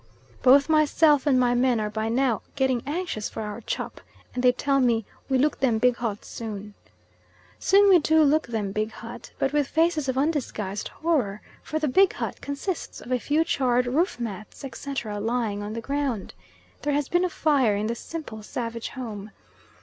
Both myself and my men are by now getting anxious for our "chop," and they tell me, "We look them big hut soon." Soon we do look them big hut, but with faces of undisguised horror, for the big hut consists of a few charred roof mats, etc., lying on the ground. There has been a fire in that simple savage home.